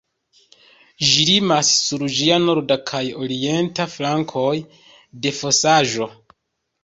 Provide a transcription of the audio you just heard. Ĝi limas sur ĝia norda kaj orienta flankoj de fosaĵo.